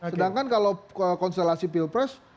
sedangkan kalau konstelasi pilpres